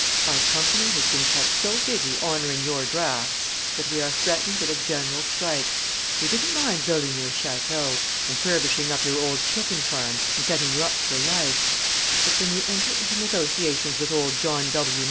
"Our company has been kept so busy honoring your drafts that we are threatened with a general strike. We didn't mind building you a château and furbishing up your old chicken farm, and setting you up for life, but when you enter into negotiations with old John W.